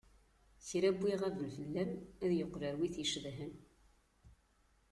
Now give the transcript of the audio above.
Kra win iɣaben fell-am, ad yeqqel ar win i t-icedhan.